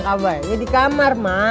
kabarnya dikamar mak